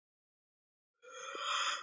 د هولوګرافیک اصول وایي کائنات دوه بعدی دی.